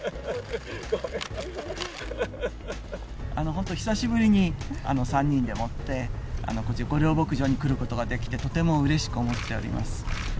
本当に久しぶりに３人で御料牧場に来ることができてとてもうれしく思っております。